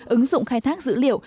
ứng dụng khai thác dữ liệu